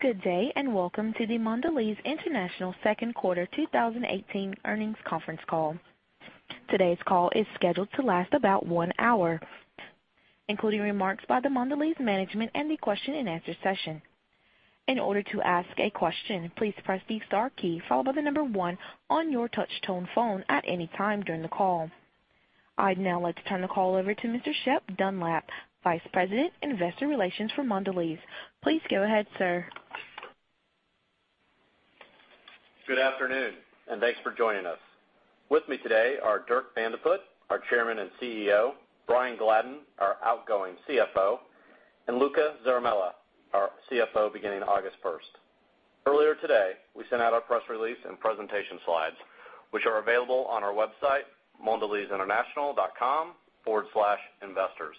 Good day, and welcome to the Mondelez International second quarter 2018 earnings conference call. Today's call is scheduled to last about one hour, including remarks by the Mondelez management and the question and answer session. In order to ask a question, please press the star key followed by the number one on your touch tone phone at any time during the call. I'd now like to turn the call over to Mr. Shep Dunlap, Vice President, Investor Relations for Mondelez. Please go ahead, sir. Good afternoon, and thanks for joining us. With me today are Dirk Van de Put, our Chairman and CEO, Brian Gladden, our outgoing CFO, and Luca Zaramella, our CFO beginning August 1st. Earlier today, we sent out our press release and presentation slides, which are available on our website, mondelezinternational.com/investors.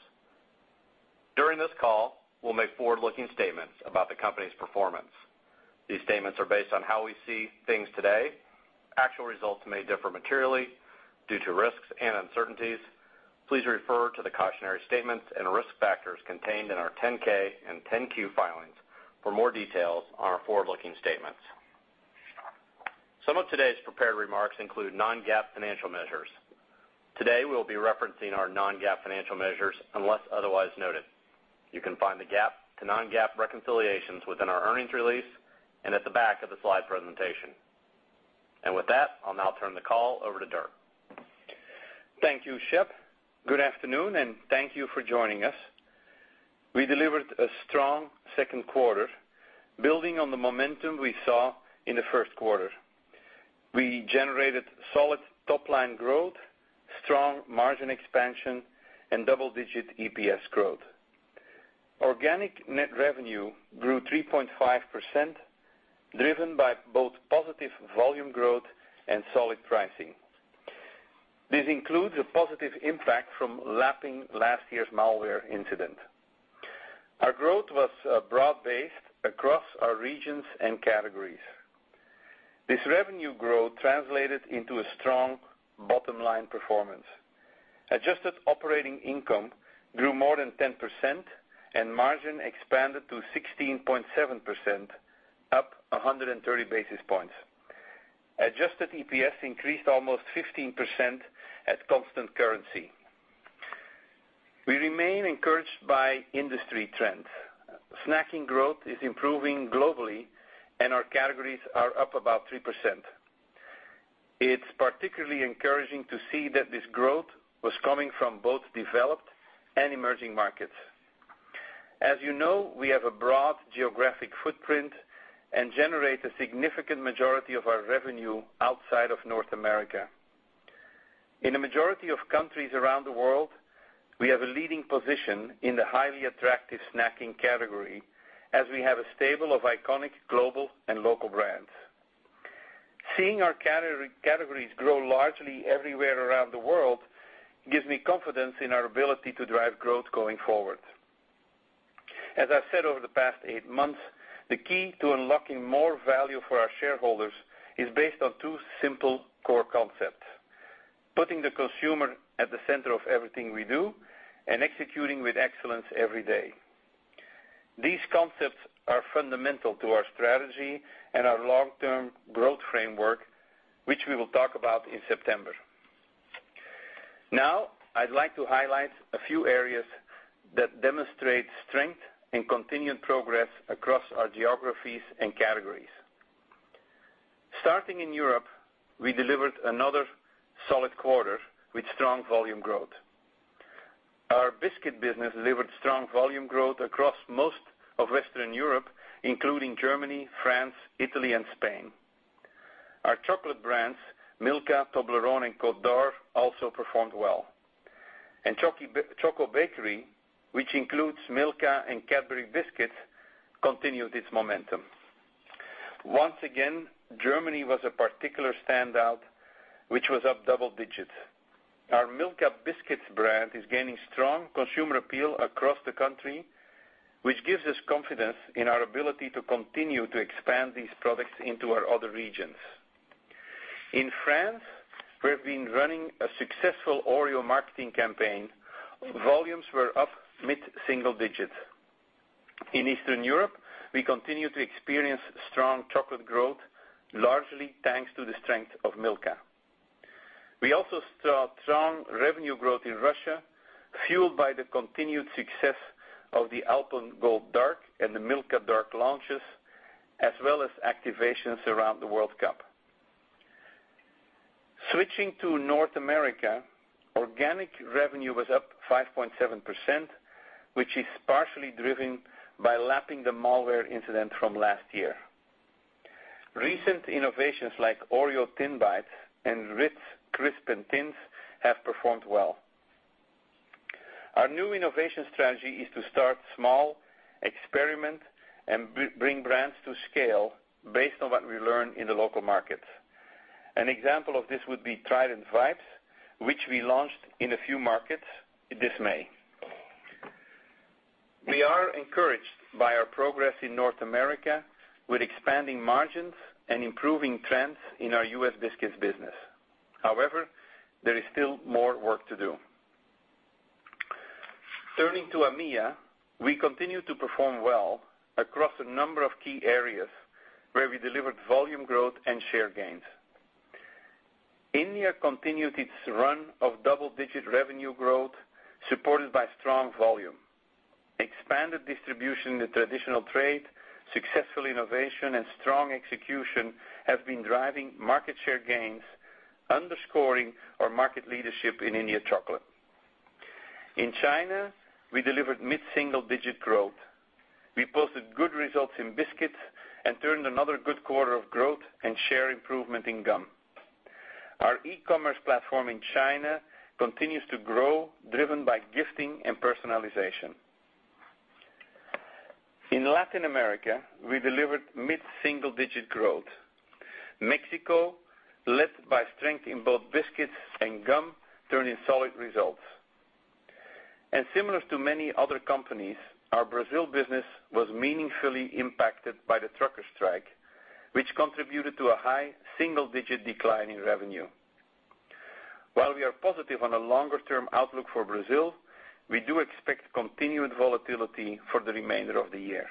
During this call, we'll make forward-looking statements about the company's performance. These statements are based on how we see things today. Actual results may differ materially due to risks and uncertainties. Please refer to the cautionary statements and risk factors contained in our 10-K and 10-Q filings for more details on our forward-looking statements. Some of today's prepared remarks include non-GAAP financial measures. Today, we'll be referencing our non-GAAP financial measures, unless otherwise noted. You can find the GAAP to non-GAAP reconciliations within our earnings release and at the back of the slide presentation. With that, I'll now turn the call over to Dirk. Thank you, Shep. Good afternoon, and thank you for joining us. We delivered a strong second quarter, building on the momentum we saw in the first quarter. We generated solid top-line growth, strong margin expansion, and double-digit EPS growth. Organic net revenue grew 3.5%, driven by both positive volume growth and solid pricing. This includes a positive impact from lapping last year's malware incident. Our growth was broad-based across our regions and categories. This revenue growth translated into a strong bottom-line performance. Adjusted operating income grew more than 10%, and margin expanded to 16.7%, up 130 basis points. Adjusted EPS increased almost 15% at constant currency. We remain encouraged by industry trends. Snacking growth is improving globally, and our categories are up about 3%. It's particularly encouraging to see that this growth was coming from both developed and emerging markets. As you know, we have a broad geographic footprint and generate a significant majority of our revenue outside of North America. In a majority of countries around the world, we have a leading position in the highly attractive snacking category as we have a stable of iconic global and local brands. Seeing our categories grow largely everywhere around the world gives me confidence in our ability to drive growth going forward. As I've said over the past eight months, the key to unlocking more value for our shareholders is based on two simple core concepts, putting the consumer at the center of everything we do and executing with excellence every day. These concepts are fundamental to our strategy and our long-term growth framework, which we will talk about in September. I'd like to highlight a few areas that demonstrate strength and continued progress across our geographies and categories. Starting in Europe, we delivered another solid quarter with strong volume growth. Our biscuit business delivered strong volume growth across most of Western Europe, including Germany, France, Italy, and Spain. Our chocolate brands, Milka, Toblerone, and Côte d'Or, also performed well. Choco-bakery, which includes Milka and Cadbury biscuits, continued its momentum. Once again, Germany was a particular standout, which was up double digits. Our Milka biscuits brand is gaining strong consumer appeal across the country, which gives us confidence in our ability to continue to expand these products into our other regions. In France, we've been running a successful Oreo marketing campaign. Volumes were up mid-single digits. In Eastern Europe, we continue to experience strong chocolate growth, largely thanks to the strength of Milka. We also saw strong revenue growth in Russia, fueled by the continued success of the Alpen Gold dark and the Milka dark launches, as well as activations around the World Cup. Switching to North America, organic revenue was up 5.7%, which is partially driven by lapping the malware incident from last year. Recent innovations like Oreo Thins Bites and Ritz Crisp & Thins have performed well. Our new innovation strategy is to start small, experiment, and bring brands to scale based on what we learn in the local markets. An example of this would be Trident Vibes, which we launched in a few markets this May. We are encouraged by our progress in North America with expanding margins and improving trends in our U.S. biscuits business. There is still more work to do. Turning to EMEA, we continue to perform well across a number of key areas where we delivered volume growth and share gains. India continued its run of double-digit revenue growth, supported by strong volume. Expanded distribution in the traditional trade, successful innovation, and strong execution have been driving market share gains, underscoring our market leadership in India chocolate. In China, we delivered mid-single digit growth. We posted good results in biscuits and turned another good quarter of growth and share improvement in gum. Our e-commerce platform in China continues to grow, driven by gifting and personalization. In Latin America, we delivered mid-single digit growth. Mexico, led by strength in both biscuits and gum, turned in solid results. Similar to many other companies, our Brazil business was meaningfully impacted by the trucker strike, which contributed to a high single-digit decline in revenue. While we are positive on a longer-term outlook for Brazil, we do expect continued volatility for the remainder of the year.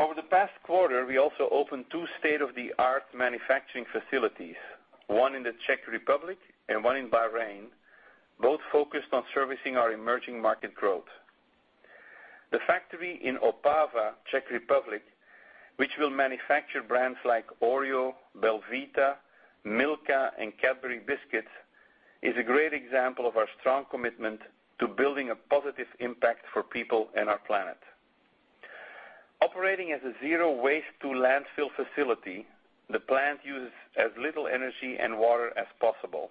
Over the past quarter, we also opened two state-of-the-art manufacturing facilities, one in the Czech Republic and one in Bahrain, both focused on servicing our emerging market growth. The factory in Opava, Czech Republic, which will manufacture brands like Oreo, belVita, Milka, and Cadbury biscuits, is a great example of our strong commitment to building a positive impact for people and our planet. Operating as a zero waste to landfill facility, the plant uses as little energy and water as possible.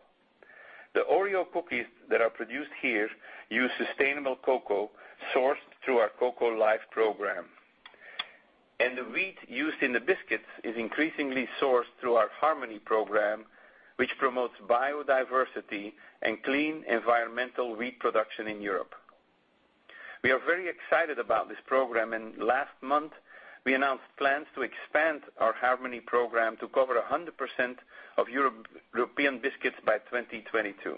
The Oreo cookies that are produced here use sustainable cocoa sourced through our Cocoa Life program. The wheat used in the biscuits is increasingly sourced through our Harmony program, which promotes biodiversity and clean environmental wheat production in Europe. We are very excited about this program, and last month, we announced plans to expand our Harmony program to cover 100% of European biscuits by 2022.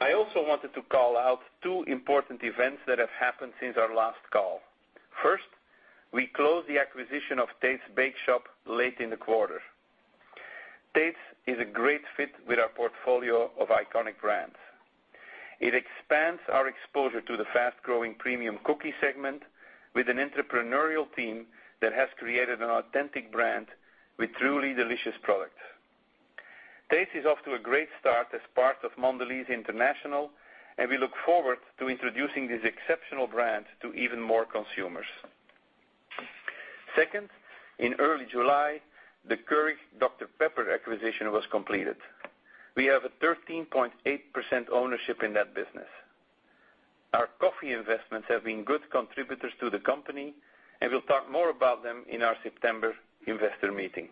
I also wanted to call out two important events that have happened since our last call. First, we closed the acquisition of Tate's Bake Shop late in the quarter. Tate's is a great fit with our portfolio of iconic brands. It expands our exposure to the fast-growing premium cookie segment with an entrepreneurial team that has created an authentic brand with truly delicious products. Tate's is off to a great start as part of Mondelez International, and we look forward to introducing this exceptional brand to even more consumers. Second, in early July, the Keurig Dr Pepper acquisition was completed. We have a 13.8% ownership in that business. Our coffee investments have been good contributors to the company, and we'll talk more about them in our September investor meeting.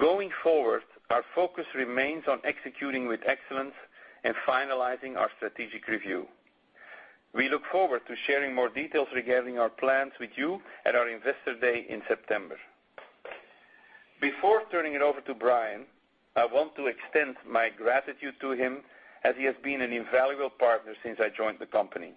Going forward, our focus remains on executing with excellence and finalizing our strategic review. We look forward to sharing more details regarding our plans with you at our investor day in September. Before turning it over to Brian, I want to extend my gratitude to him as he has been an invaluable partner since I joined the company.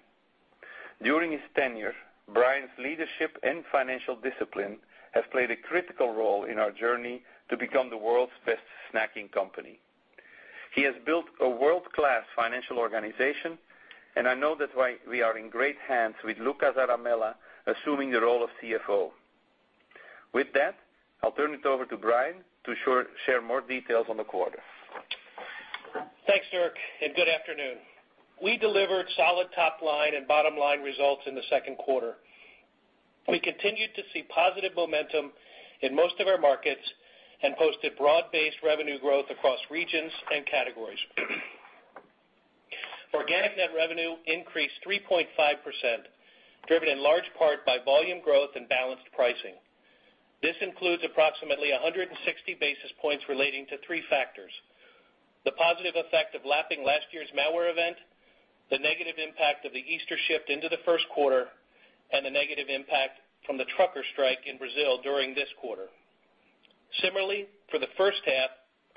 During his tenure, Brian's leadership and financial discipline have played a critical role in our journey to become the world's best snacking company. He has built a world-class financial organization, and I know that we are in great hands with Luca Zaramella assuming the role of CFO. With that, I'll turn it over to Brian to share more details on the quarter. Thanks, Dirk, and good afternoon. We delivered solid top-line and bottom-line results in the second quarter. We continued to see positive momentum in most of our markets and posted broad-based revenue growth across regions and categories. Organic net revenue increased 3.5%, driven in large part by volume growth and balanced pricing. This includes approximately 160 basis points relating to three factors, the positive effect of lapping last year's malware event, the negative impact of the Easter shift into the first quarter, and the negative impact from the trucker strike in Brazil during this quarter. Similarly, for the first half,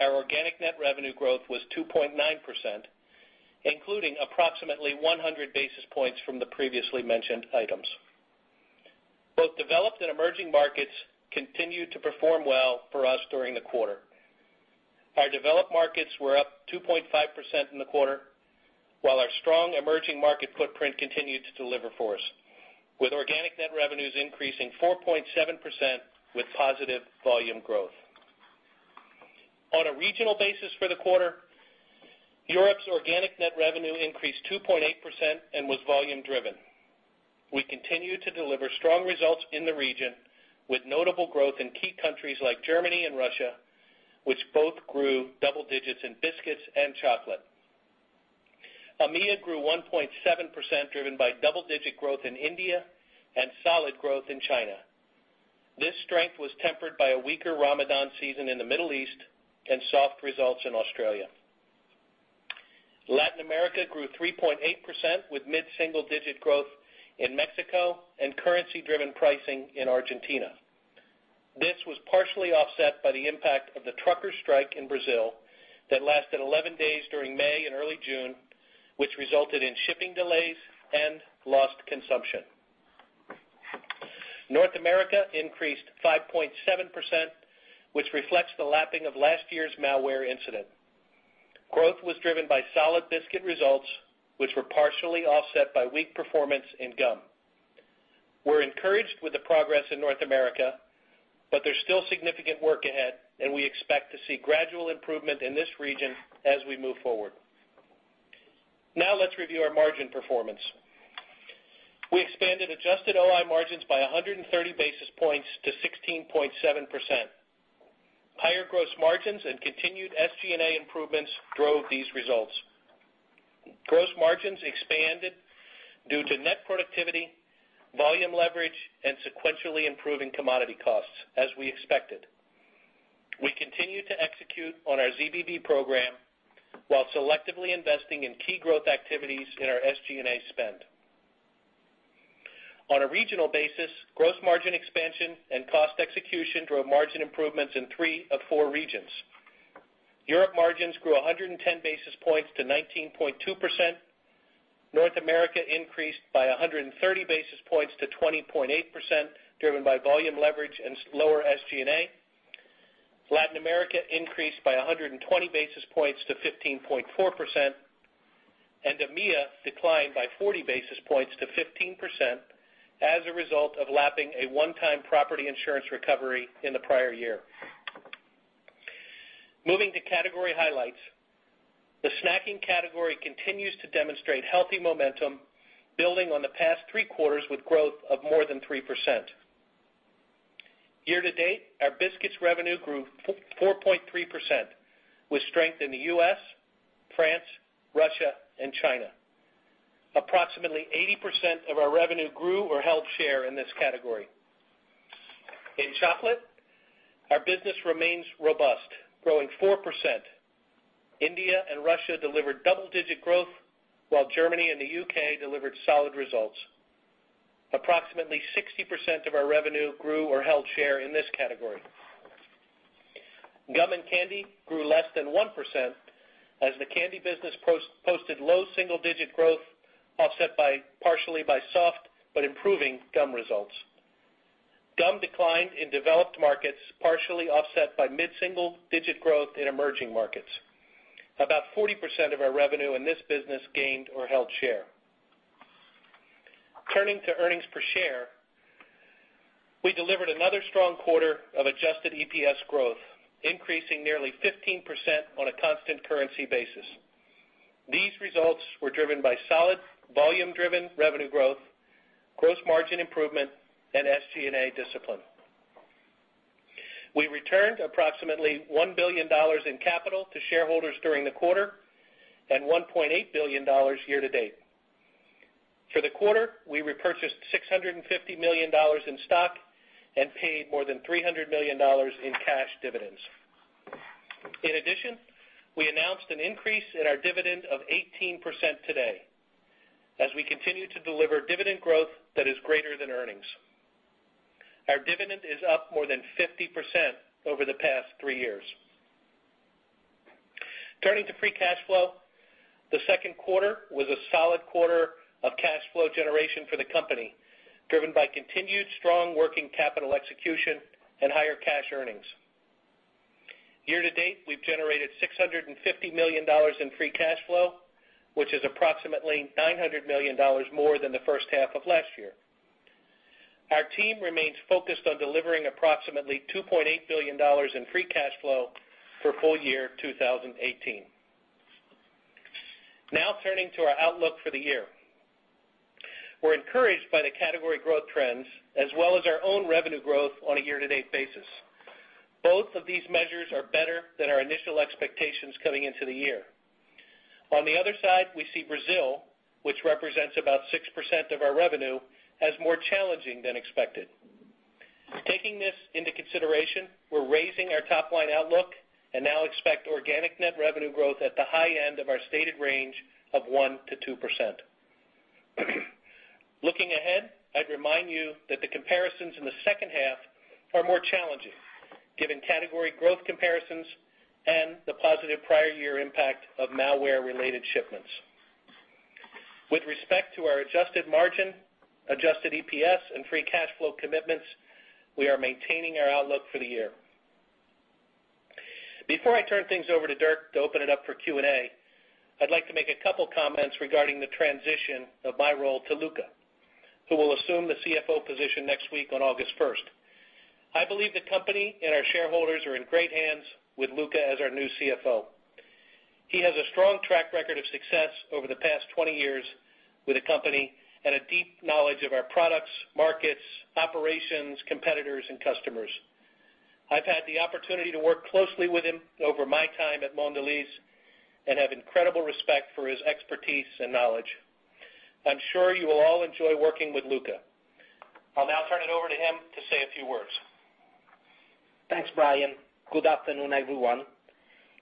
our organic net revenue growth was 2.9%, including approximately 100 basis points from the previously mentioned items. Both developed and emerging markets continued to perform well for us during the quarter. Our developed markets were up 2.5% in the quarter, while our strong emerging market footprint continued to deliver for us, with organic net revenues increasing 4.7% with positive volume growth. On a regional basis for the quarter, Europe's organic net revenue increased 2.8% and was volume driven. We continue to deliver strong results in the region, with notable growth in key countries like Germany and Russia, which both grew double digits in biscuits and chocolate. EMEA grew 1.7%, driven by double-digit growth in India and solid growth in China. This strength was tempered by a weaker Ramadan season in the Middle East and soft results in Australia. Latin America grew 3.8% with mid-single-digit growth in Mexico and currency-driven pricing in Argentina. This was partially offset by the impact of the trucker strike in Brazil that lasted 11 days during May and early June, which resulted in shipping delays and lost consumption. North America increased 5.7%, which reflects the lapping of last year's malware incident. Growth was driven by solid biscuit results, which were partially offset by weak performance in gum. We're encouraged with the progress in North America, but there's still significant work ahead, and we expect to see gradual improvement in this region as we move forward. Now let's review our margin performance. We expanded adjusted OI margins by 130 basis points to 16.7%. Higher gross margins and continued SG&A improvements drove these results. Gross margins expanded due to net productivity, volume leverage, and sequentially improving commodity costs, as we expected. We continue to execute on our ZBB program while selectively investing in key growth activities in our SG&A spend. On a regional basis, gross margin expansion and cost execution drove margin improvements in three of four regions. Europe margins grew 110 basis points to 19.2%. North America increased by 130 basis points to 20.8%, driven by volume leverage and lower SG&A. Latin America increased by 120 basis points to 15.4%, and EMEA declined by 40 basis points to 15% as a result of lapping a one-time property insurance recovery in the prior year. Moving to category highlights. The snacking category continues to demonstrate healthy momentum, building on the past three quarters with growth of more than 3%. Year-to-date, our biscuits revenue grew 4.3%, with strength in the U.S., France, Russia, and China. Approximately 80% of our revenue grew or held share in this category. In chocolate, our business remains robust, growing 4%. India and Russia delivered double-digit growth, while Germany and the U.K. delivered solid results. Approximately 60% of our revenue grew or held share in this category. Gum and candy grew less than 1% as the candy business posted low single-digit growth, offset partially by soft but improving gum results. Gum declined in developed markets, partially offset by mid-single-digit growth in emerging markets. About 40% of our revenue in this business gained or held share. Turning to earnings per share, we delivered another strong quarter of adjusted EPS growth, increasing nearly 15% on a constant currency basis. These results were driven by solid volume-driven revenue growth, gross margin improvement, and SG&A discipline. We returned approximately $1 billion in capital to shareholders during the quarter and $1.8 billion year-to-date. For the quarter, we repurchased $650 million in stock and paid more than $300 million in cash dividends. In addition, we announced an increase in our dividend of 18% today, as we continue to deliver dividend growth that is greater than earnings. Our dividend is up more than 50% over the past three years. Turning to free cash flow. The second quarter was a solid quarter of cash flow generation for the company, driven by continued strong working capital execution and higher cash earnings. Year-to-date, we've generated $650 million in free cash flow, which is approximately $900 million more than the first half of last year. Our team remains focused on delivering approximately $2.8 billion in free cash flow for full-year 2018. Turning to our outlook for the year. We're encouraged by the category growth trends as well as our own revenue growth on a year-to-date basis. Both of these measures are better than our initial expectations coming into the year. On the other side, we see Brazil, which represents about 6% of our revenue, as more challenging than expected. Taking this into consideration, we're raising our top-line outlook and now expect organic net revenue growth at the high end of our stated range of 1% to 2%. Looking ahead, I'd remind you that the comparisons in the second half are more challenging given category growth comparisons and the positive prior year impact of malware-related shipments. With respect to our adjusted margin, adjusted EPS, and free cash flow commitments, we are maintaining our outlook for the year. Before I turn things over to Dirk to open it up for Q&A, I'd like to make a couple comments regarding the transition of my role to Luca, who will assume the CFO position next week on August 1st. I believe the company and our shareholders are in great hands with Luca as our new CFO. He has a strong track record of success over the past 20 years with the company and a deep knowledge of our products, markets, operations, competitors, and customers. I've had the opportunity to work closely with him over my time at Mondelez and have incredible respect for his expertise and knowledge. I'm sure you will all enjoy working with Luca. I'll now turn it over to him to say a few words Thanks, Brian. Good afternoon, everyone.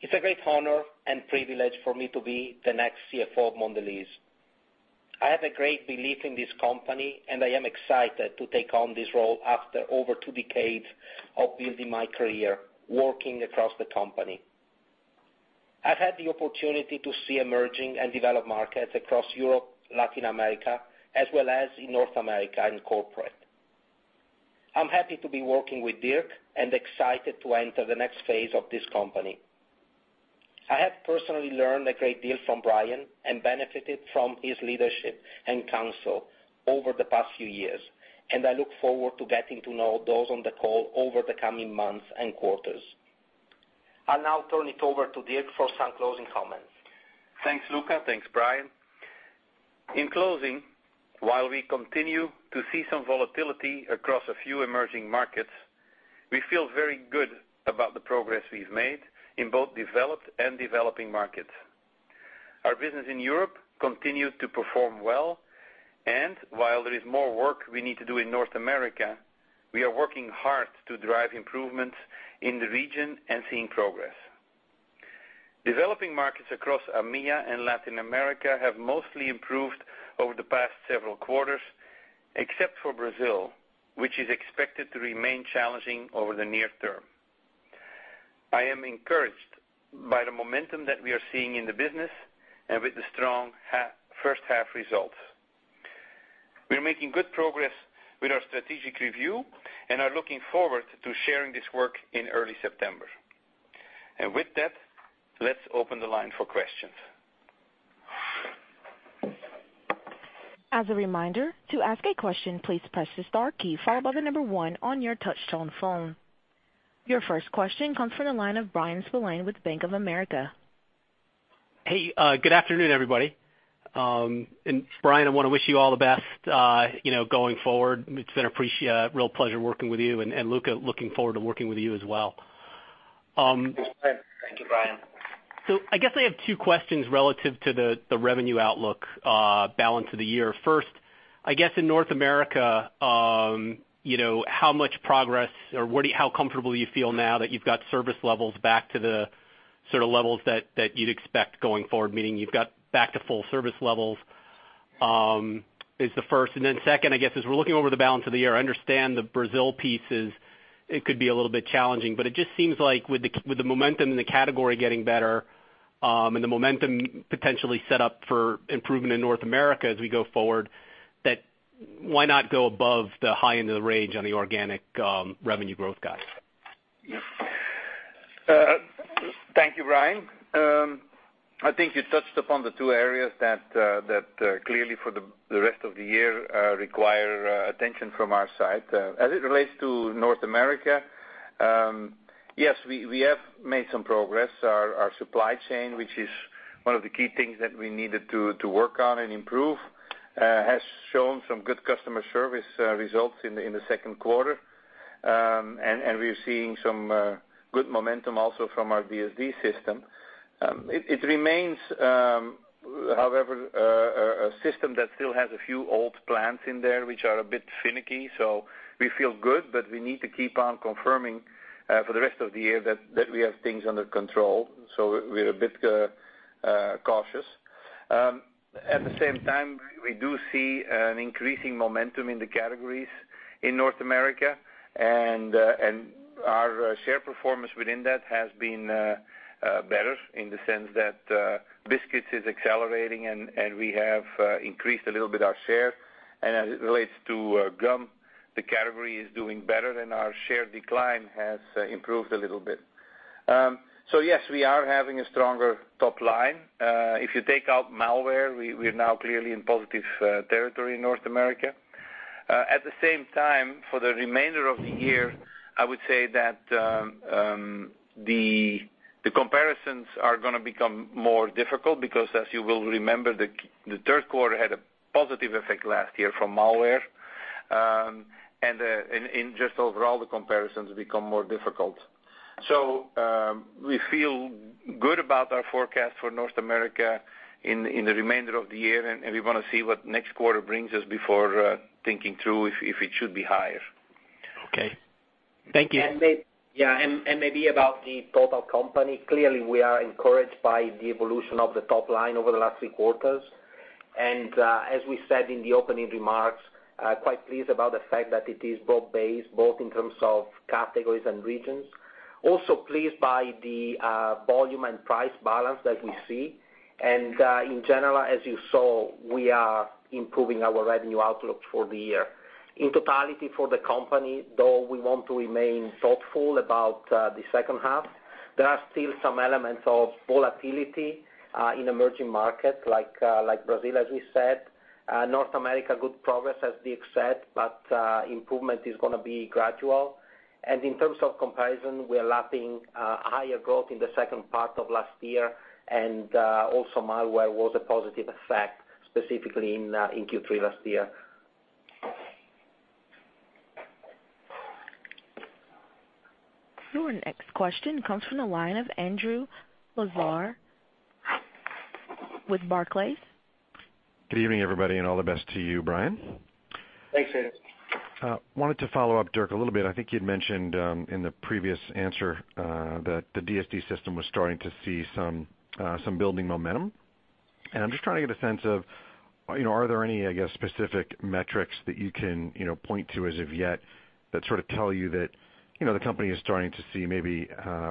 It's a great honor and privilege for me to be the next CFO of Mondelez. I have a great belief in this company, and I am excited to take on this role after over two decades of building my career, working across the company. I've had the opportunity to see emerging and developed markets across Europe, Latin America, as well as in North America and corporate. I'm happy to be working with Dirk and excited to enter the next phase of this company. I have personally learned a great deal from Brian and benefited from his leadership and counsel over the past few years. I look forward to getting to know those on the call over the coming months and quarters. I'll now turn it over to Dirk for some closing comments. Thanks, Luca. Thanks, Brian. In closing, while we continue to see some volatility across a few emerging markets, we feel very good about the progress we've made in both developed and developing markets. Our business in Europe continued to perform well, while there is more work we need to do in North America, we are working hard to drive improvements in the region and seeing progress. Developing markets across EMEA and Latin America have mostly improved over the past several quarters, except for Brazil, which is expected to remain challenging over the near term. I am encouraged by the momentum that we are seeing in the business and with the strong first half results. We're making good progress with our strategic review and are looking forward to sharing this work in early September. With that, let's open the line for questions. As a reminder, to ask a question, please press the star key, followed by the number one on your touch-tone phone. Your first question comes from the line of Bryan Spillane with Bank of America. Hey, good afternoon, everybody. Brian, I want to wish you all the best going forward. It's been a real pleasure working with you. Luca, looking forward to working with you as well. Thank you, Brian. I guess I have two questions relative to the revenue outlook balance of the year. In North America, how much progress, or how comfortable do you feel now that you've got service levels back to the sort of levels that you'd expect going forward, meaning you've got back to full service levels, is the first. As we're looking over the balance of the year, I understand the Brazil piece could be a little bit challenging. It just seems like with the momentum in the category getting better, and the momentum potentially set up for improvement in North America as we go forward, why not go above the high end of the range on the organic revenue growth guide? Thank you, Brian. I think you touched upon the two areas that clearly for the rest of the year require attention from our side. As it relates to North America, yes, we have made some progress. Our supply chain, which is one of the key things that we needed to work on and improve, has shown some good customer service results in the second quarter. We're seeing some good momentum also from our DSD system. It remains, however, a system that still has a few old plants in there, which are a bit finicky. We feel good, but we need to keep on confirming for the rest of the year that we have things under control. We're a bit cautious. At the same time, we do see an increasing momentum in the categories in North America, our share performance within that has been better in the sense that biscuits is accelerating, we have increased a little bit our share. As it relates to gum, the category is doing better than our share decline has improved a little bit. Yes, we are having a stronger top line. If you take out malware, we are now clearly in positive territory in North America. At the same time, for the remainder of the year, I would say that the comparisons are going to become more difficult because as you will remember, the third quarter had a positive effect last year from malware. Just overall, the comparisons become more difficult. We feel good about our forecast for North America in the remainder of the year, we want to see what next quarter brings us before thinking through if it should be higher. Okay. Thank you. Yeah, maybe about the total company. Clearly, we are encouraged by the evolution of the top line over the last three quarters. As we said in the opening remarks, quite pleased about the fact that it is broad-based, both in terms of categories and regions. Also pleased by the volume and price balance that we see. In general, as you saw, we are improving our revenue outlook for the year. In totality for the company, though, we want to remain thoughtful about the second half. There are still some elements of volatility in emerging markets like Brazil, as we said. North America, good progress, as Dirk said, but improvement is going to be gradual. In terms of comparison, we are lapping higher growth in the second part of last year, and also malware was a positive effect, specifically in Q3 last year. Your next question comes from the line of Andrew Lazar with Barclays. Good evening, everybody, and all the best to you, Brian. Thanks, Andrew. Wanted to follow up, Dirk, a little bit. I think you'd mentioned in the previous answer, that the DSD system was starting to see some building momentum. I'm just trying to get a sense of are there any, specific metrics that you can point to as of yet that tell you that the company is starting to see maybe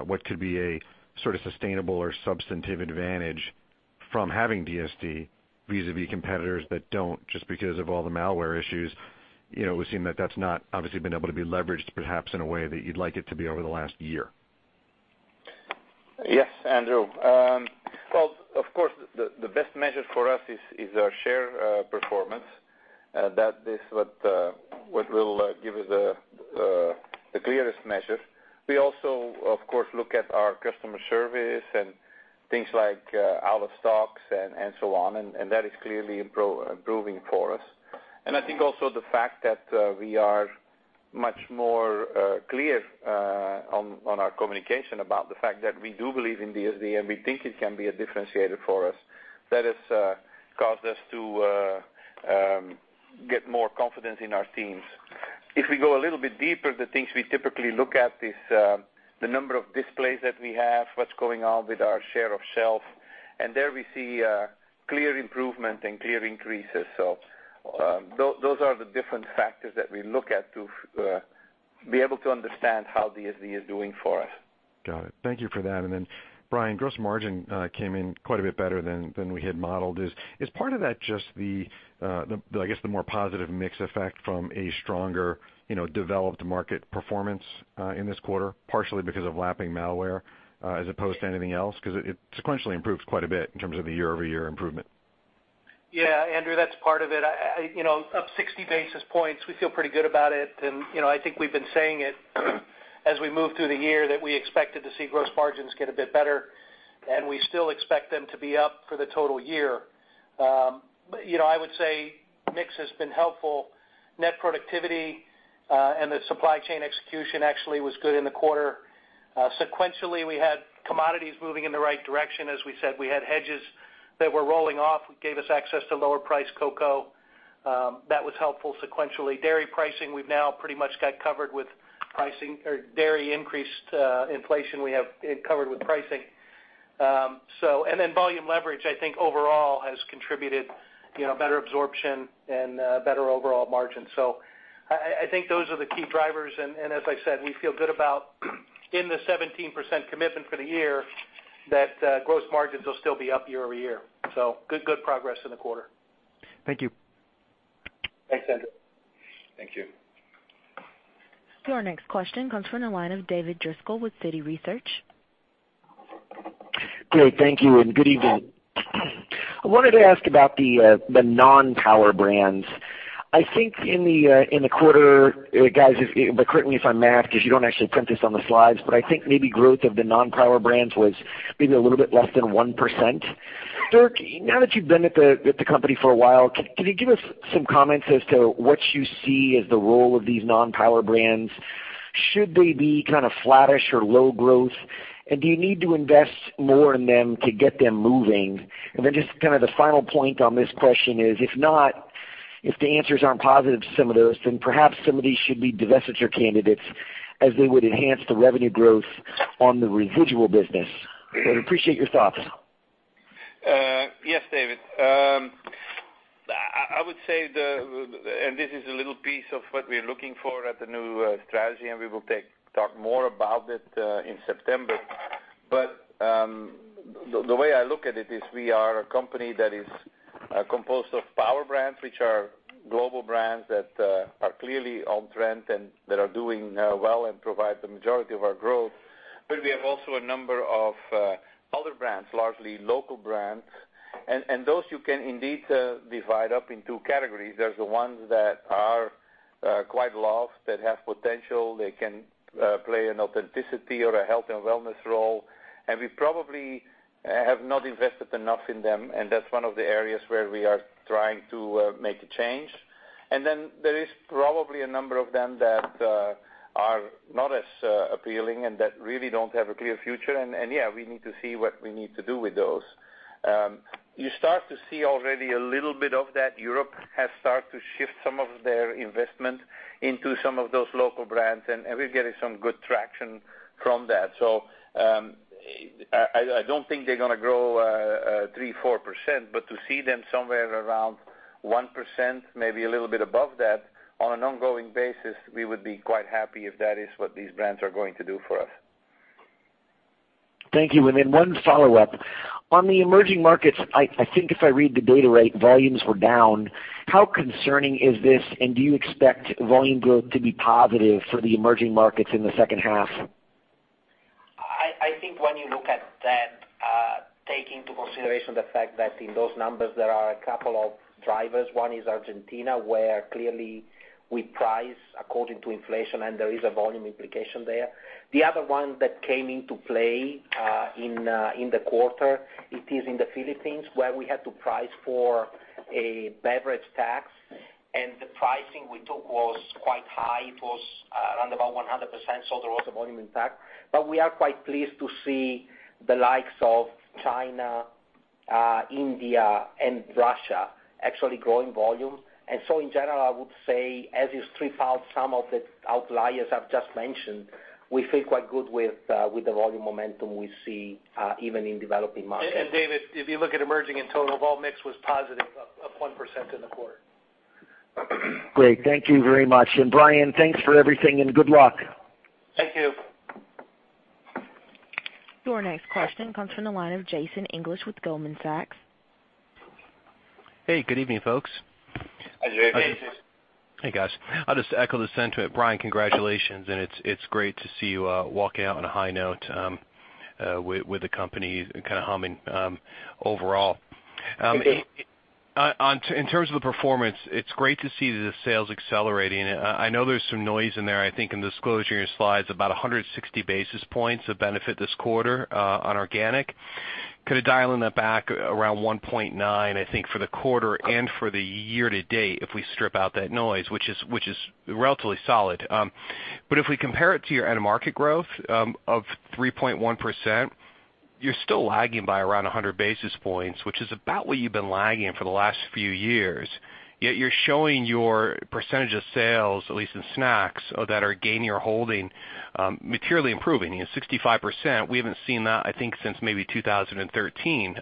what could be a sort of sustainable or substantive advantage from having DSD vis-a-vis competitors that don't just because of all the malware issues, it would seem that that's not obviously been able to be leveraged perhaps in a way that you'd like it to be over the last year. Yes, Andrew. Well, of course, the best measure for us is our share performance. That is what will give us the clearest measure. We also, of course, look at our customer service and things like out-of-stocks and so on, and that is clearly improving for us. I think also the fact that we are much more clear, on our communication about the fact that we do believe in DSD, and we think it can be a differentiator for us. That has caused us to get more confidence in our teams. If we go a little bit deeper, the things we typically look at is the number of displays that we have, what's going on with our share of shelf. There we see clear improvement and clear increases. Those are the different factors that we look at to be able to understand how DSD is doing for us. Got it. Thank you for that. Then Brian, gross margin came in quite a bit better than we had modeled. Is part of that just the more positive mix effect from a stronger, developed market performance in this quarter, partially because of lapping malware as opposed to anything else? Because it sequentially improves quite a bit in terms of the year-over-year improvement. Andrew, that's part of it. Up 60 basis points, we feel pretty good about it. I think we've been saying it as we move through the year, that we expected to see gross margins get a bit better, and we still expect them to be up for the total year. I would say mix has been helpful. Net productivity, and the supply chain execution actually was good in the quarter. Sequentially, we had commodities moving in the right direction. As we said, we had hedges that were rolling off, gave us access to lower price cocoa. That was helpful sequentially. Dairy pricing, we've now pretty much got covered with pricing or dairy increased inflation we have covered with pricing. Volume leverage I think overall has contributed better absorption and better overall margin. I think those are the key drivers. As I said, we feel good about in the 17% commitment for the year that gross margins will still be up year-over-year. Good progress in the quarter. Thank you. Thanks, Andrew. Thank you. Your next question comes from the line of David Driscoll with Citi Research. Great. Thank you, and good evening. I wanted to ask about the non-power brands. I think in the quarter, guys, but correct me if I'm off because you don't actually print this on the slides, but I think maybe growth of the non-power brands was maybe a little bit less than 1%. Dirk, now that you've been at the company for a while, can you give us some comments as to what you see as the role of these non-power brands? Should they be flattish or low growth? Do you need to invest more in them to get them moving? Just the final point on this question is, if not, if the answers aren't positive to some of those, then perhaps some of these should be divestiture candidates as they would enhance the revenue growth on the residual business. Would appreciate your thoughts. Yes, David. I would say this is a little piece of what we're looking for at the new strategy. We will talk more about it in September. The way I look at it is we are a company that is composed of power brands, which are global brands that are clearly on trend and that are doing well and provide the majority of our growth. We have also a number of other brands, largely local brands. Those you can indeed divide up in 2 categories. There's the ones that are quite loved, that have potential, they can play an authenticity or a health and wellness role. We probably have not invested enough in them, that's one of the areas where we are trying to make a change. There is probably a number of them that are not as appealing and that really don't have a clear future. Yeah, we need to see what we need to do with those. You start to see already a little bit of that. Europe has started to shift some of their investment into some of those local brands, and we're getting some good traction from that. I don't think they're going to grow 3%, 4%, but to see them somewhere around 1%, maybe a little bit above that on an ongoing basis, we would be quite happy if that is what these brands are going to do for us. Thank you. One follow-up. On the emerging markets, I think if I read the data right, volumes were down. How concerning is this, and do you expect volume growth to be positive for the emerging markets in the second half? I think when you look at that, take into consideration the fact that in those numbers, there are a couple of drivers. One is Argentina, where clearly we price according to inflation, and there is a volume implication there. The other one that came into play in the quarter, it is in the Philippines, where we had to price for a beverage tax. The pricing we took was quite high. It was around about 100%, so there was a volume impact. We are quite pleased to see the likes of China. India and Russia actually growing volume. In general, I would say as you strip out some of the outliers I've just mentioned, we feel quite good with the volume momentum we see, even in developing markets. David, if you look at emerging in total, volume mix was positive up 1% in the quarter. Great. Thank you very much. Brian, thanks for everything and good luck. Thank you. Your next question comes from the line of Jason English with Goldman Sachs. Hey, good evening, folks. Hi, Jason. Hey, guys. I'll just echo the sentiment. Brian, congratulations, and it's great to see you walking out on a high note with the company kind of humming overall. Thank you. In terms of the performance, it's great to see the sales accelerating. I know there's some noise in there. I think in the disclosure in your slides, about 160 basis points of benefit this quarter on organic. Could a dial in that back around 1.9, I think, for the quarter and for the year to date, if we strip out that noise, which is relatively solid. If we compare it to your end market growth of 3.1%, you're still lagging by around 100 basis points, which is about what you've been lagging for the last few years. Yet, you're showing your percentage of sales, at least in snacks, that are gaining or holding, materially improving. 65%, we haven't seen that, I think, since maybe 2013.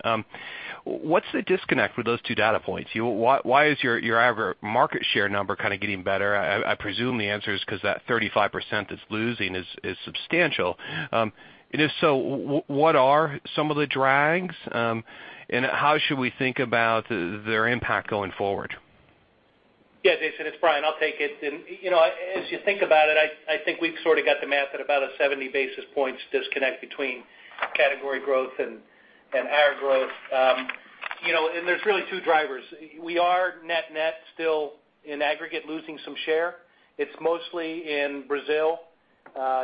What's the disconnect with those two data points? Why is your average market share number kind of getting better? I presume the answer is because that 35% that's losing is substantial. If so, what are some of the drags? How should we think about their impact going forward? Yeah, Jason, it's Brian. I'll take it. As you think about it, I think we've sort of got the math at about a 70 basis points disconnect between category growth and AR growth. There's really two drivers. We are net still in aggregate losing some share. It's mostly in Brazil.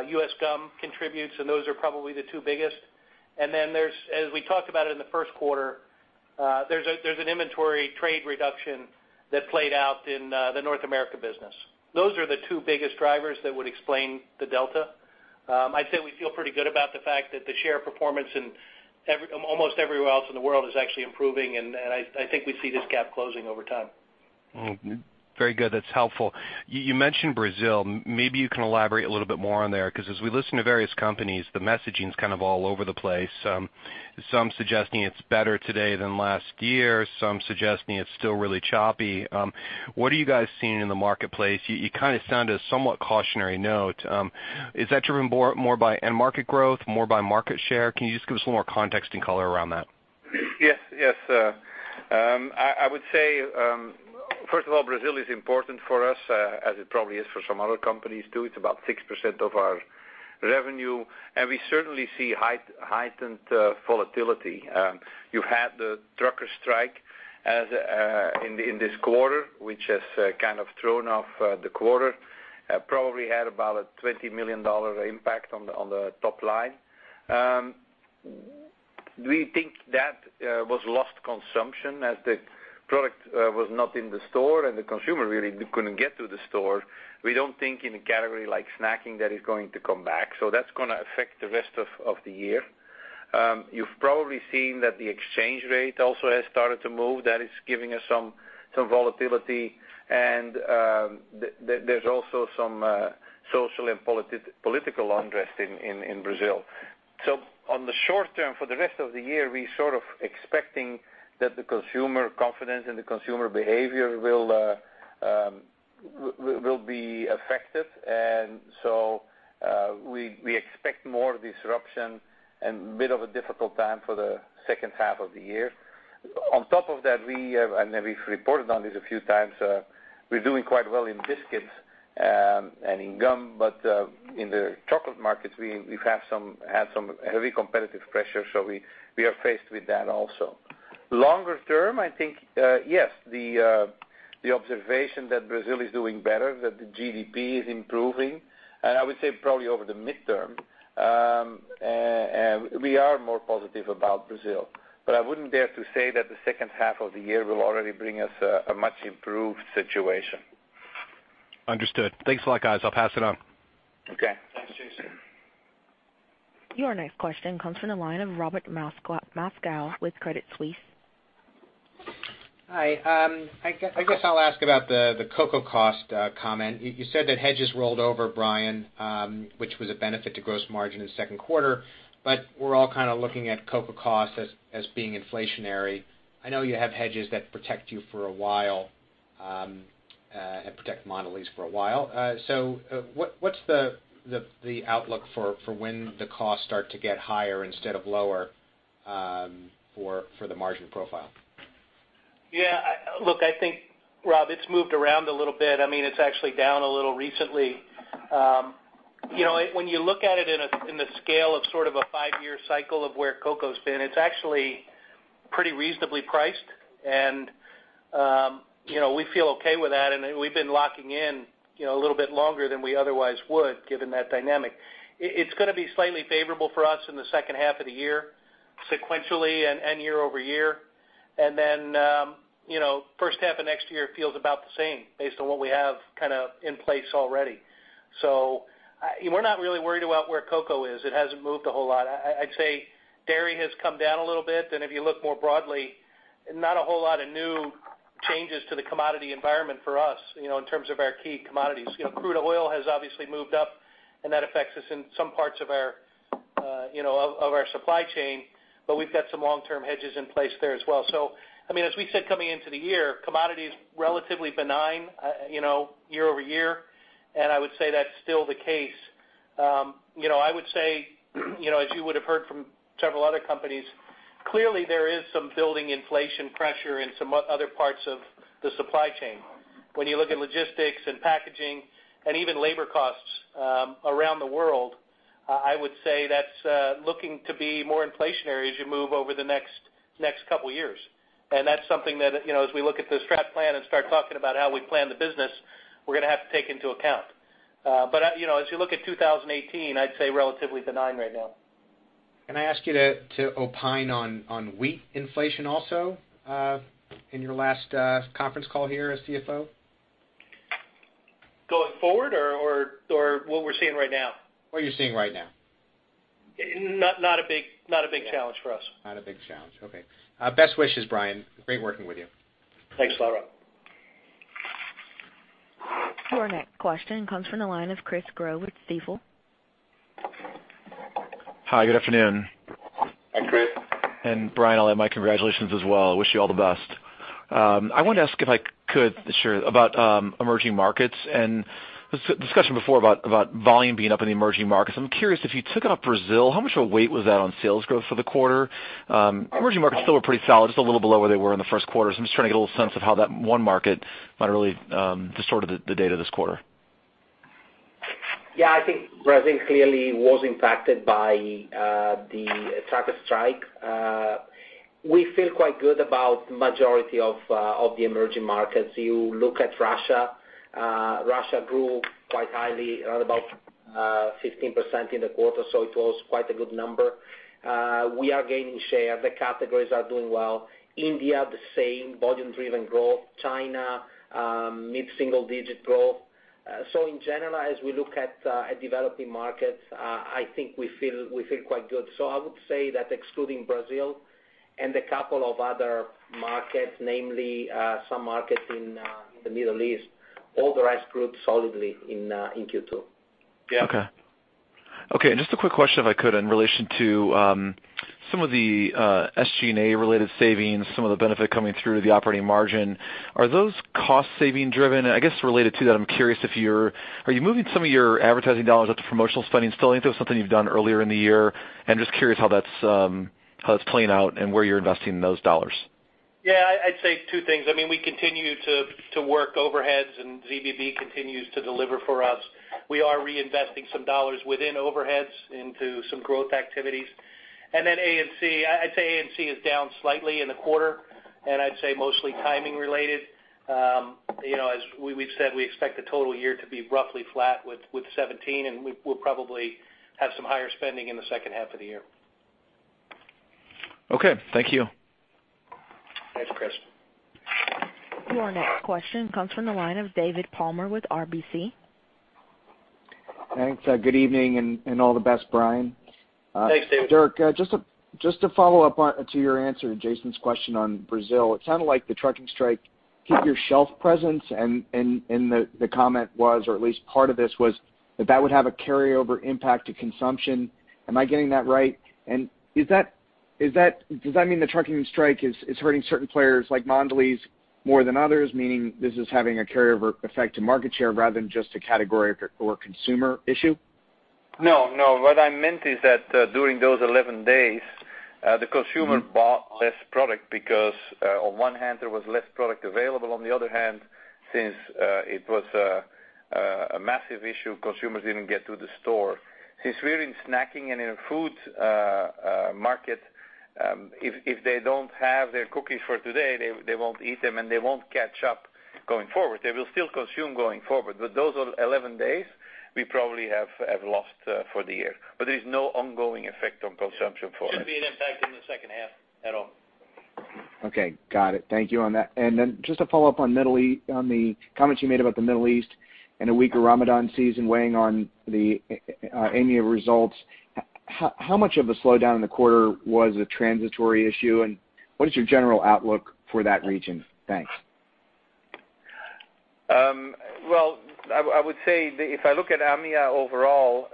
U.S. Gum contributes, those are probably the two biggest. Then, as we talked about in the first quarter, there's an inventory trade reduction that played out in the North America business. Those are the two biggest drivers that would explain the delta. I'd say we feel pretty good about the fact that the share performance in almost everywhere else in the world is actually improving, I think we see this gap closing over time. Very good. That's helpful. You mentioned Brazil. Maybe you can elaborate a little bit more on there, because as we listen to various companies, the messaging's kind of all over the place. Some suggesting it's better today than last year, some suggesting it's still really choppy. What are you guys seeing in the marketplace? You kind of sound a somewhat cautionary note. Is that driven more by end market growth, more by market share? Can you just give us a little more context and color around that? Yes. I would say, first of all, Brazil is important for us, as it probably is for some other companies, too. It's about 6% of our revenue. We certainly see heightened volatility. You had the trucker strike in this quarter, which has kind of thrown off the quarter, probably had about a $20 million impact on the top line. We think that was lost consumption as the product was not in the store and the consumer really couldn't get to the store. We don't think in a category like snacking, that is going to come back. That's going to affect the rest of the year. You've probably seen that the exchange rate also has started to move. That is giving us some volatility. There's also some social and political unrest in Brazil. On the short term, for the rest of the year, we sort of expecting that the consumer confidence and the consumer behavior will be affected. We expect more disruption and a bit of a difficult time for the second half of the year. On top of that, we've reported on this a few times, we're doing quite well in biscuits and in gum, but in the chocolate markets, we've had some heavy competitive pressure. We are faced with that also. Longer term, I think, yes, the observation that Brazil is doing better, that the GDP is improving. I would say probably over the midterm, we are more positive about Brazil, but I wouldn't dare to say that the second half of the year will already bring us a much improved situation. Understood. Thanks a lot, guys. I'll pass it on. Okay. Thanks, Jason. Your next question comes from the line of Robert Moskow with Credit Suisse. Hi. I guess I'll ask about the cocoa cost comment. You said that hedges rolled over, Brian, which was a benefit to gross margin in the second quarter, we're all kind of looking at cocoa cost as being inflationary. I know you have hedges that protect you for a while, and protect Mondelez for a while. What's the outlook for when the costs start to get higher instead of lower for the margin profile? Yeah. Look, I think, Rob, it's moved around a little bit. It's actually down a little recently. When you look at it in the scale of sort of a five-year cycle of where cocoa's been, it's actually pretty reasonably priced, and we feel okay with that, and we've been locking in a little bit longer than we otherwise would, given that dynamic. It's going to be slightly favorable for us in the second half of the year, sequentially and year-over-year. First half of next year feels about the same based on what we have in place already. We're not really worried about where cocoa is. It hasn't moved a whole lot. I'd say dairy has come down a little bit. If you look more broadly, not a whole lot of new changes to the commodity environment for us, in terms of our key commodities. Crude oil has obviously moved up, that affects us in some parts of our supply chain, we've got some long-term hedges in place there as well. As we said, coming into the year, commodity is relatively benign, year-over-year, I would say that's still the case. I would say, as you would have heard from several other companies, clearly there is some building inflation pressure in some other parts of the supply chain. When you look at logistics and packaging and even labor costs around the world, I would say that's looking to be more inflationary as you move over the next couple of years. That's something that, as we look at the strat plan and start talking about how we plan the business, we're going to have to take into account. As you look at 2018, I'd say relatively benign right now. Can I ask you to opine on wheat inflation also in your last conference call here as CFO? Going forward or what we're seeing right now? What you're seeing right now. Not a big challenge for us. Not a big challenge. Okay. Best wishes, Brian. Great working with you. Thanks, Robert. Your next question comes from the line of Chris Growe with Stifel. Hi, good afternoon. Hi, Chris. Brian, all my congratulations as well. Wish you all the best. I wanted to ask if I could, sure, about emerging markets and the discussion before about volume being up in the emerging markets. I'm curious if you took out Brazil, how much of a weight was that on sales growth for the quarter? Emerging markets still were pretty solid, just a little below where they were in the first quarter. I'm just trying to get a little sense of how that one market might have really distorted the data this quarter. Yeah, I think Brazil clearly was impacted by the trucker strike. We feel quite good about majority of the emerging markets. You look at Russia grew quite highly around about 15% in the quarter, it was quite a good number. We are gaining share. The categories are doing well. India, the same, volume-driven growth. China, mid-single digit growth. In general, as we look at developing markets, I think we feel quite good. I would say that excluding Brazil and a couple of other markets, namely some markets in the Middle East, all the rest grew solidly in Q2. Yeah. Okay. Just a quick question, if I could, in relation to some of the SG&A related savings, some of the benefit coming through to the operating margin. Are those cost saving driven? I guess related to that, I'm curious if are you moving some of your advertising dollars out to promotional spending still? Is that something you've done earlier in the year? Just curious how that's playing out and where you're investing those dollars. I'd say two things. We continue to work overheads, and ZBB continues to deliver for us. We are reinvesting some dollars within overheads into some growth activities. A&C, I'd say A&C is down slightly in the quarter, and I'd say mostly timing related. As we've said, we expect the total year to be roughly flat with 2017, and we'll probably have some higher spending in the second half of the year. Okay. Thank you. Thanks, Chris. Your next question comes from the line of David Palmer with RBC. Thanks. Good evening, all the best, Brian. Thanks, David. Dirk, just to follow up to your answer to Jason's question on Brazil. It sounded like the trucking strike hit your shelf presence, the comment was, or at least part of this was that would have a carryover impact to consumption. Am I getting that right? Does that mean the trucking strike is hurting certain players like Mondelez more than others, meaning this is having a carryover effect to market share rather than just a category or consumer issue? No, what I meant is that during those 11 days, the consumer bought less product because on one hand, there was less product available. On the other hand, since it was a massive issue, consumers didn't get to the store. Since we're in snacking and in food market, if they don't have their cookies for today, they won't eat them, and they won't catch up going forward. They will still consume going forward. Those 11 days, we probably have lost for the year. There is no ongoing effect on consumption for us. Shouldn't be an impact in the second half at all. Okay, got it. Thank you on that. Then just to follow up on the comments you made about the Middle East and a weaker Ramadan season weighing on the EMEA results, how much of a slowdown in the quarter was a transitory issue, and what is your general outlook for that region? Thanks. Well, I would say that if I look at EMEA overall,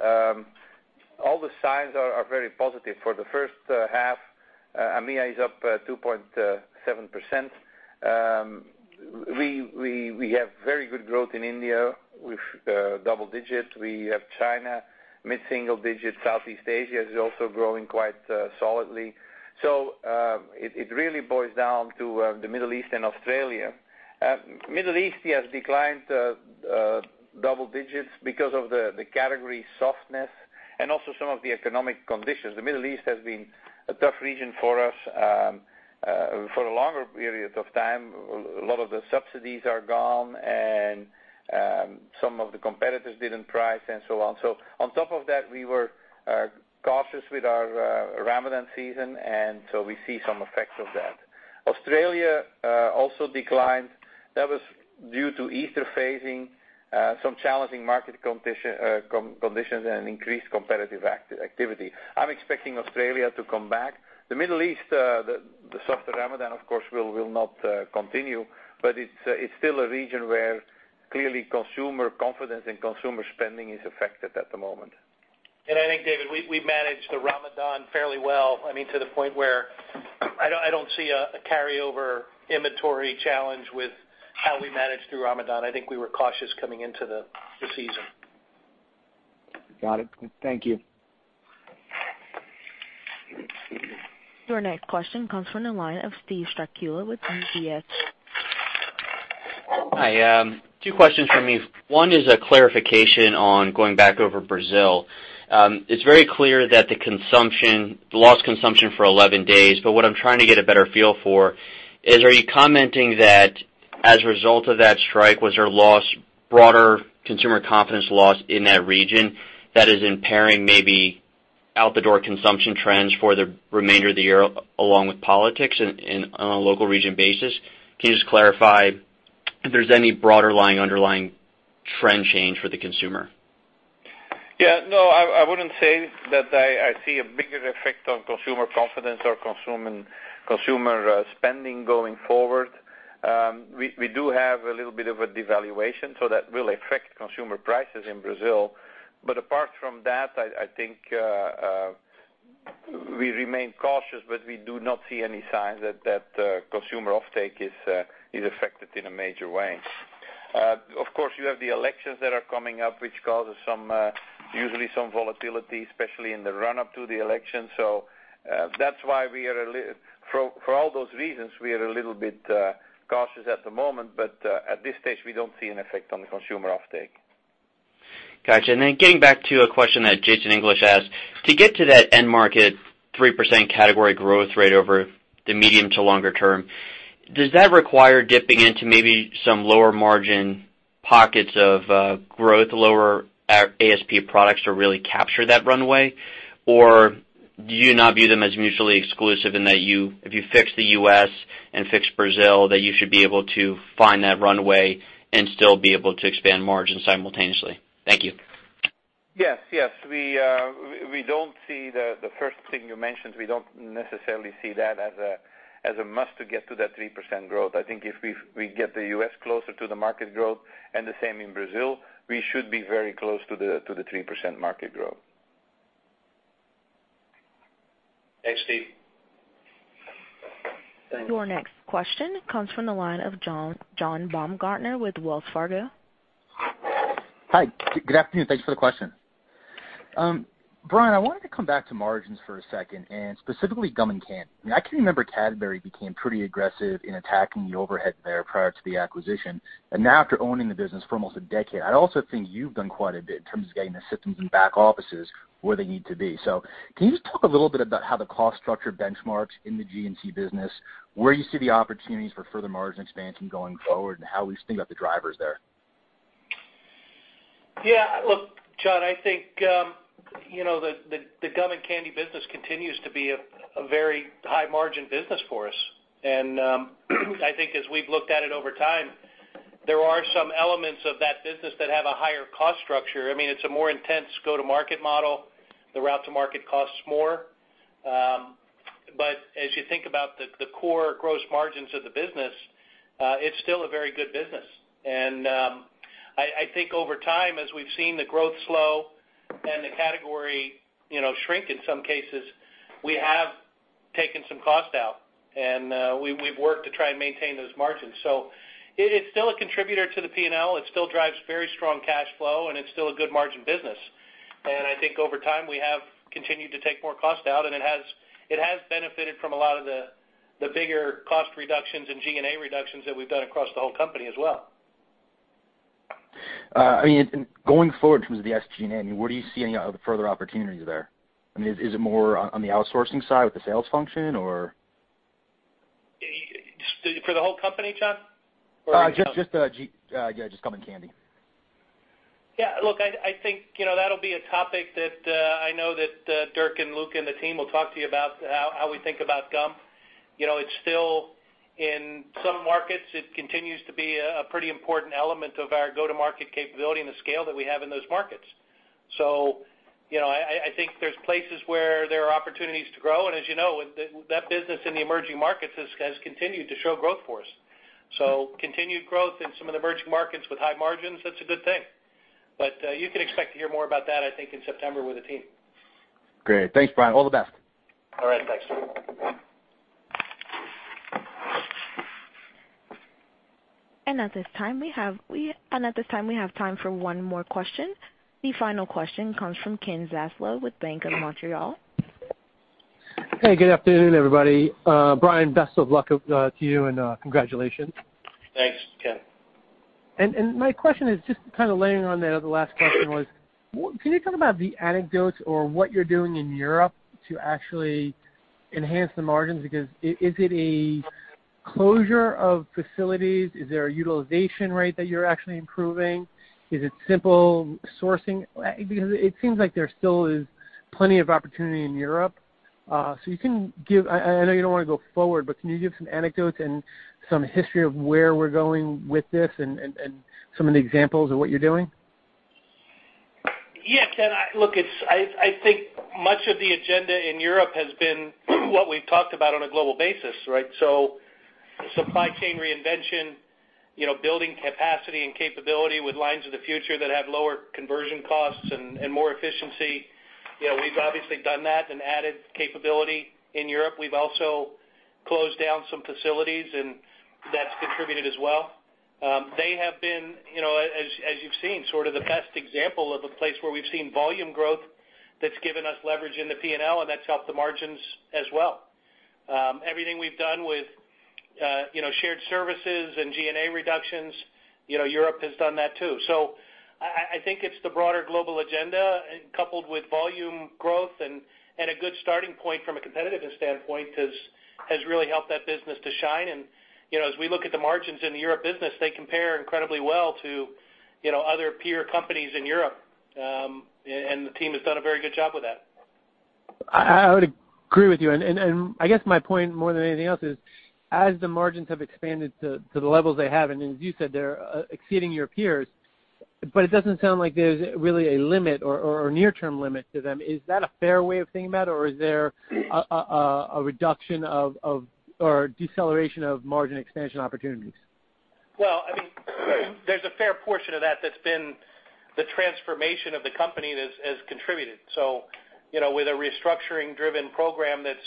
all the signs are very positive. For the first half, EMEA is up 2.7%. We have very good growth in India with double digits. We have China, mid-single digits. Southeast Asia is also growing quite solidly. It really boils down to the Middle East and Australia. Middle East has declined double digits because of the category softness And also some of the economic conditions. The Middle East has been a tough region for us for a longer period of time. A lot of the subsidies are gone, and some of the competitors didn't price and so on. On top of that, we were cautious with our Ramadan season, and so we see some effects of that. Australia also declined. That was due to Easter phasing, some challenging market conditions, and increased competitive activity. I'm expecting Australia to come back. The Middle East, the softer Ramadan, of course, will not continue, but it's still a region where clearly consumer confidence and consumer spending is affected at the moment. I think, David, we managed the Ramadan fairly well. I mean, to the point where I don't see a carryover inventory challenge with how we managed through Ramadan. I think we were cautious coming into the season. Got it. Thank you. Your next question comes from the line of Steven Strycula with UBS. Hi. Two questions from me. One is a clarification on going back over Brazil. It's very clear that the lost consumption for 11 days, what I'm trying to get a better feel for is, are you commenting that as a result of that strike, was there broader consumer confidence lost in that region that is impairing maybe out-the-door consumption trends for the remainder of the year, along with politics on a local region basis? Can you just clarify if there's any broader underlying trend change for the consumer? I wouldn't say that I see a bigger effect on consumer confidence or consumer spending going forward. We do have a little bit of a devaluation, so that will affect consumer prices in Brazil. Apart from that, I think we remain cautious, but we do not see any signs that consumer offtake is affected in a major way. Of course, you have the elections that are coming up, which causes usually some volatility, especially in the run-up to the election. For all those reasons, we are a little bit cautious at the moment, but at this stage, we don't see an effect on the consumer offtake. Got you. Getting back to a question that Jason English asked, to get to that end market 3% category growth rate over the medium to longer term, does that require dipping into maybe some lower margin pockets of growth, lower ASP products to really capture that runway? Do you not view them as mutually exclusive in that if you fix the U.S. and fix Brazil, that you should be able to find that runway and still be able to expand margin simultaneously? Thank you. Yes. We don't see the first thing you mentioned, we don't necessarily see that as a must to get to that 3% growth. I think if we get the U.S. closer to the market growth and the same in Brazil, we should be very close to the 3% market growth. Thanks, Steve. Your next question comes from the line of John Baumgartner with Wells Fargo. Hi, good afternoon. Thanks for the question. Brian, I wanted to come back to margins for a second, and specifically gum and candy. I can remember Cadbury became pretty aggressive in attacking the overhead there prior to the acquisition. Now after owning the business for almost a decade, I also think you've done quite a bit in terms of getting the systems and back offices where they need to be. Can you just talk a little bit about how the cost structure benchmarks in the G&C business, where you see the opportunities for further margin expansion going forward, and how we think about the drivers there? Look, John, I think the gum and candy business continues to be a very high margin business for us. I think as we've looked at it over time, there are some elements of that business that have a higher cost structure. I mean, it's a more intense go-to-market model. The route to market costs more. As you think about the core gross margins of the business, it's still a very good business. I think over time, as we've seen the growth slow and the category shrink in some cases, we have taken some cost out, and we've worked to try and maintain those margins. It is still a contributor to the P&L. It still drives very strong cash flow, and it's still a good margin business. I think over time, we have continued to take more cost out, and it has benefited from a lot of the bigger cost reductions and G&A reductions that we've done across the whole company as well. Going forward in terms of the SG&A, where do you see any further opportunities there? I mean, is it more on the outsourcing side with the sales function? For the whole company, John? Just gum and candy. Look, I think that'll be a topic that I know that Dirk and Luca and the team will talk to you about how we think about gum. In some markets, it continues to be a pretty important element of our go-to-market capability and the scale that we have in those markets. I think there's places where there are opportunities to grow. As you know, that business in the emerging markets has continued to show growth for us. Continued growth in some of the emerging markets with high margins, that's a good thing. You can expect to hear more about that, I think, in September with the team. Great. Thanks, Brian. All the best. All right. Thanks. At this time, we have time for one more question. The final question comes from Kenneth Zaslow with Bank of Montreal. Hey, good afternoon, everybody. Brian, best of luck to you and congratulations. Thanks, Ken. My question is just kind of laying on there, the last question was, can you talk about the anecdotes or what you're doing in Europe to actually enhance the margins? Is it a closure of facilities? Is there a utilization rate that you're actually improving? Is it simple sourcing? It seems like there still is plenty of opportunity in Europe. I know you don't want to go forward, but can you give some anecdotes and some history of where we're going with this and some of the examples of what you're doing? Ken, look, I think much of the agenda in Europe has been what we've talked about on a global basis, right? Supply chain reinvention, building capacity and capability with lines of the future that have lower conversion costs and more efficiency. We've obviously done that and added capability in Europe. We've also closed down some facilities, and that's contributed as well. They have been, as you've seen, sort of the best example of a place where we've seen volume growth that's given us leverage in the P&L, and that's helped the margins as well. Everything we've done with shared services and G&A reductions, Europe has done that, too. I think it's the broader global agenda coupled with volume growth, and a good starting point from a competitiveness standpoint has really helped that business to shine. As we look at the margins in the Europe business, they compare incredibly well to other peer companies in Europe. The team has done a very good job with that. I would agree with you. I guess my point, more than anything else, is as the margins have expanded to the levels they have, as you said, they're exceeding your peers, it doesn't sound like there's really a limit or near-term limit to them. Is that a fair way of thinking about it? Or is there a reduction of or deceleration of margin expansion opportunities? Well, I mean, there's a fair portion of that that's been the transformation of the company that has contributed. With a restructuring-driven program that's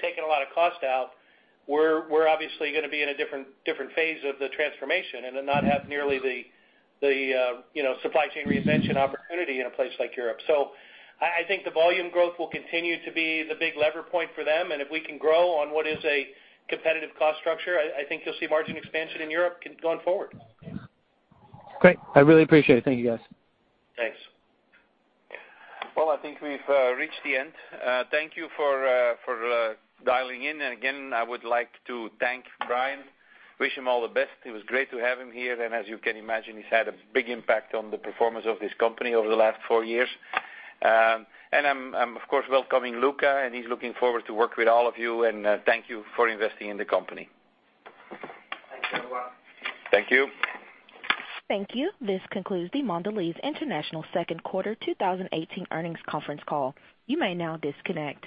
taken a lot of cost out, we're obviously going to be in a different phase of the transformation and then not have nearly the supply chain reinvention opportunity in a place like Europe. I think the volume growth will continue to be the big lever point for them. If we can grow on what is a competitive cost structure, I think you'll see margin expansion in Europe going forward. Great. I really appreciate it. Thank you, guys. Thanks. Well, I think we've reached the end. Thank you for dialing in. Again, I would like to thank Brian, wish him all the best. It was great to have him here. As you can imagine, he's had a big impact on the performance of this company over the last four years. I'm, of course, welcoming Luca, and he's looking forward to work with all of you. Thank you for investing in the company. Thanks, everyone. Thank you. Thank you. This concludes the Mondelez International Second Quarter 2018 Earnings Conference Call. You may now disconnect.